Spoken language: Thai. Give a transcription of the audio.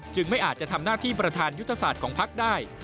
ไม่อาจจะทำหน้าที่ประธานยุทธศาสตร์ของพักได้